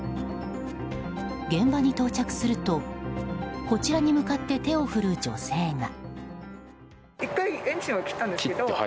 現場に到着するとこちらに向かって手を振る女性が。